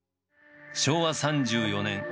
昭和３４年。